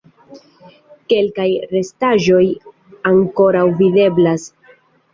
Kelkaj restaĵoj ankoraŭ videblas.